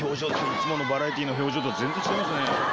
いつものバラエティーの表情とは全然違いますね。